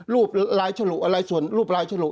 ลายฉลุอะไรส่วนรูปลายฉลุ